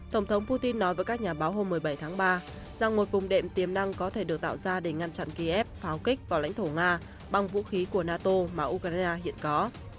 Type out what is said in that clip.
tổng thống putin nói với các nhà báo hôm một mươi bảy tháng ba rằng một vùng đệm tiềm năng có thể được tạo ra để ngăn chặn kiev pháo kích vào lãnh thổ nga bằng vũ khí của nato mà ukraine hiện có